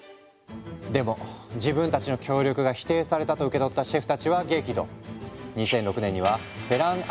でも自分たちの協力が否定されたと受け取ったシェフたちは激怒。